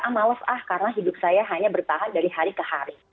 ah males ah karena hidup saya hanya bertahan dari hari ke hari